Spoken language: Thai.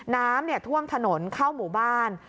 น้ำท่วมถนนเข้าหมู่บ้าน